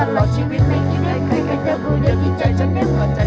ตลอดชีวิตไม่คิดให้ใครให้เธอคุยอย่างที่ใจฉันเหมือนหวังใจ